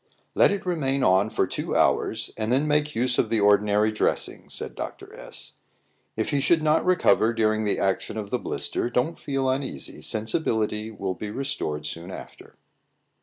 "Let it remain on for two hours, and then make use of the ordinary dressing," said Dr. S . "If he should not recover during the action of the blister, don't feel uneasy; sensibility will be restored soon after."